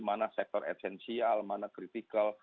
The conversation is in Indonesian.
mana sektor esensial mana kritikal